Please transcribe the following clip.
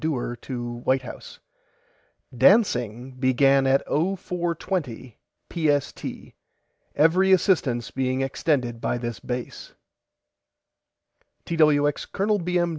DEWAR TO WHITE HOUSE: DANCING BEGAN AT OH FOUR TWENTY PST EVERY ASSISTANCE BEING EXTENDED BY THIS BASE TWX COL. B. M.